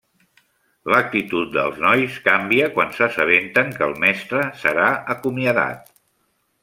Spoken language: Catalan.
L'actitud dels nois canvia quan s'assabenten que el mestre serà acomiadat.